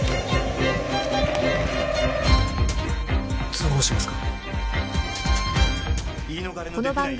通報しますか？